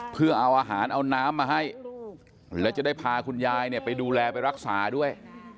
เพื่อเอาอาหารเอาน้ำมาให้แล้วจะได้พาคุณยายเนี่ยไปดูแลไปรักษาด้วย